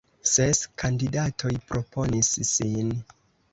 Ses kandidatoj proponis sin.